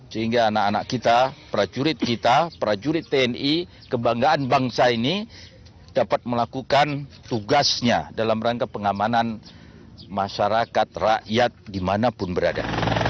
sehingga anak anak kita prajurit kita prajurit tni kebanggaan bangsa ini dapat melakukan tugasnya dalam rangka pengamanan masyarakat rakyat dimanapun berada